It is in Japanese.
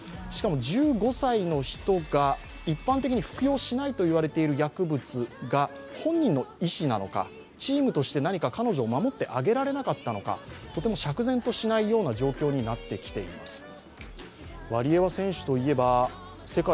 しかも１５歳の人が、一般的に服用しないと言われている薬物が本人の意思なのか、チームとして何か彼女を守ってあげられなかったのか、とても釈然としないような状況になってきています。